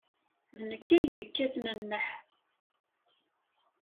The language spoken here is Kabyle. D nekk ay yekkaten nneḥ.